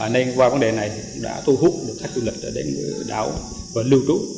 nên qua vấn đề này đã thu hút được khách du lịch đã đến đảo và lưu trú